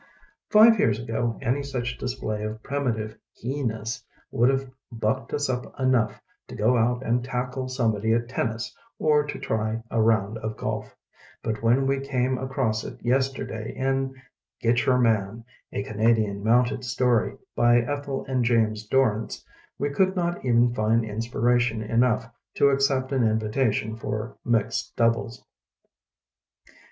Five years ago any such display of primitive he ness would have bucked us up enough to go out and tackle somebody at tennis or to try a round of golf; but when we came across it yesterday in "Get Your Man ŌĆö A Ca nadian Mounted Story" by Ethel and James Dorrance, we could not even find inspiration enough to accept an invitation for mixed doubles.